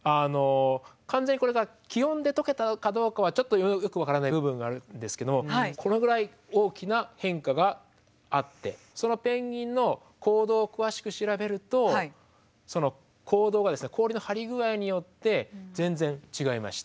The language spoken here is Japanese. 完全にこれが気温でとけたかどうかはちょっとよく分からない部分があるんですけどこのぐらい大きな変化があってそのペンギンの行動を詳しく調べるとその行動がですね氷の張り具合によって全然違いました。